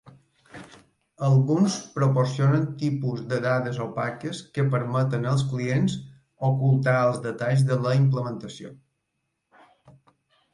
Alguns proporcionen tipus de dades opaques que permeten als clients ocultar els detalls de la implementació.